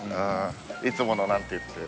「いつもの」なんて言って。